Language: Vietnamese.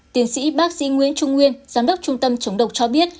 tiến sĩ bác sĩ nguyễn trung nguyên giám đốc trung tâm chống độc cho biết